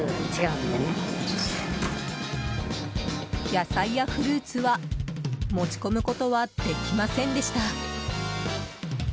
野菜やフルーツは持ち込むことはできませんでした。